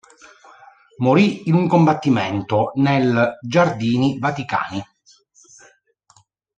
Morì in un combattimento nel Giardini Vaticani.